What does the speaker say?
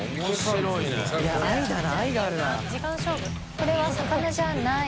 これは魚じゃない。